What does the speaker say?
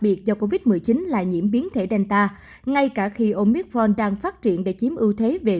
biệt do covid một mươi chín là nhiễm biến thể delta ngay cả khi omicron đang phát triển để chiếm ưu thế về